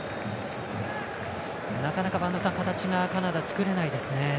なかなか形がカナダ作れないですね。